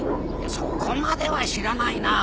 そこまでは知らないな。